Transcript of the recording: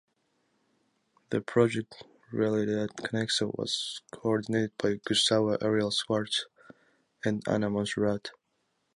The project "Realidad Conexa" was coordinated by Gustavo Ariel Schwartz and Ana Monserrat.